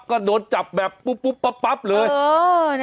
กระโดนจับแบบปุ๊บปุ๊บป๊บปั๊บเลยเออนะฮะ